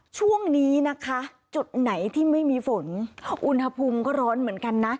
ช่วงนี้นะคะจุดไหนที่ไม่มีฝนอุณหภูมิก็ร้อนเหมือนกันนะ